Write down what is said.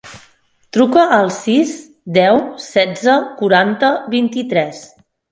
Truca al sis, deu, setze, quaranta, vint-i-tres.